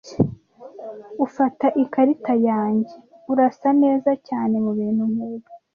Ufata ikarita yanjye - urasa neza cyane mubintu nkibi--